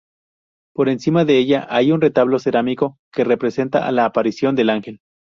Por encima de ella hay un retablo cerámico que representa la aparición del Ángel.